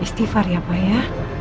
istighfar ya pak ya